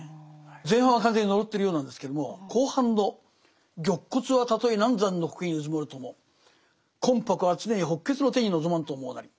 前半は完全に呪ってるようなんですけども後半の「玉骨はたとい南山の苔に埋むるとも魂魄は常に北闕の天に臨まんと思ふなり」。